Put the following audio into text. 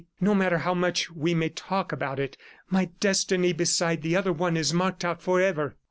No matter how much we may talk about it, my destiny beside the other one is marked out forever."